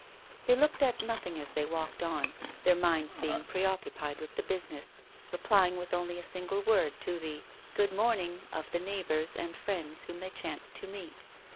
They looked at nothing as they walked on, their minds being preoccupied with the business, replying with only a single word to the "Good morning" of the neighbors and friends whom they chanced to meet.